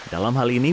dalam hal ini